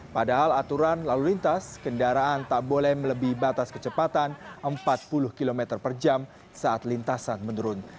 padahal aturan lalu lintas kendaraan tak boleh melebih batas kecepatan empat puluh km per jam saat lintasan menurun